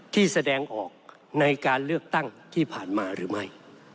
แสดงออกในการเลือกตั้งที่ผ่านมาหรือไม่